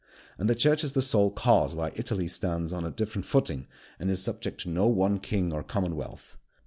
And the Church is the sole cause why Italy stands on a different footing, and is subject to no one king or commonwealth.